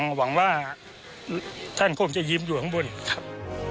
หวังว่าท่านคงจะยืมอยู่ข้างบนครับ